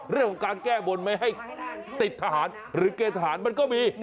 เรื่องของการแก้บนไม่ให้ติดทหารหรือเกณฑ์ทหารมันก็มี